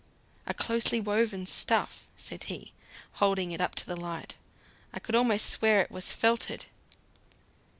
"A closely woven stuff," said he, holding it up to the light. "I could almost swear it was 'felted.'"